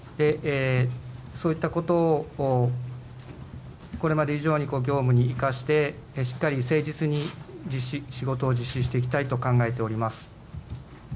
そういったことをこれまで以上に業務に生かして、しっかり誠実に実施、仕事を実施していきたいと考えております。